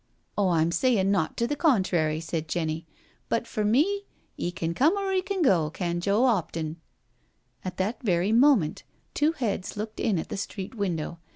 Oh, Tm sayin* naught to the contrary/' said Jenny, but for me 'e can come or 'e can go, can Joe •Opton." At that very moment two heads looked in at the street window.